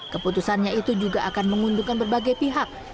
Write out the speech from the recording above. keputusannya itu juga akan menguntungkan berbagai pihak